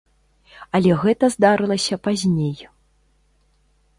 Але гэта здарылася пазней.